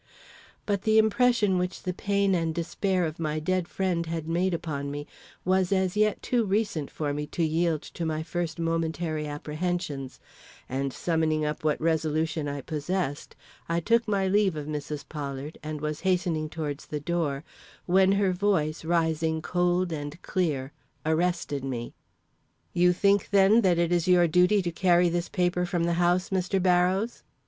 But the impression which the pain and despair of my dead friend had made upon me was as yet too recent for me to yield to my first momentary apprehensions; and summoning up what resolution I possessed, I took my leave of Mrs. Pollard, and was hastening towards the door, when her voice, rising cold and clear, arrested me. "You think, then, that it is your duty to carry this paper from the house, Mr. Barrows?"